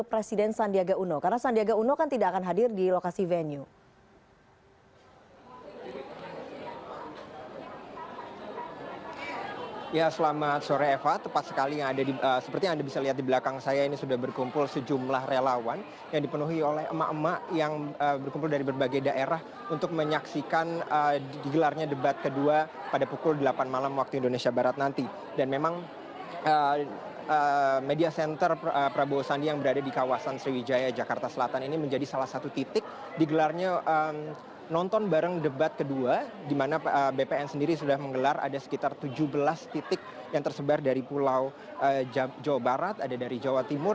presiden sandiaga uno karena sandiaga uno